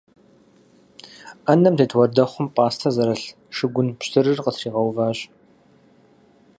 Ӏэнэм тет уэрдыхъум пӏастэ зэрылъ шыгун пщтырыр къытригъэуващ.